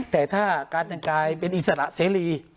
แต่ถ้าการแต่งกายเป็นอิสระเสรี